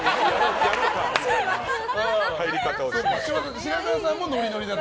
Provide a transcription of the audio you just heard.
白河さんもノリノリだった。